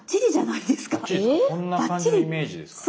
こんな感じのイメージですかね？